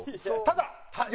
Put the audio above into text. ただ。